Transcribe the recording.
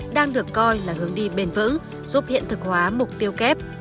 đang được coi là hướng đi bền vững giúp hiện thực hóa mục tiêu kép